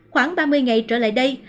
khoảng ba mươi ngày trở lại đây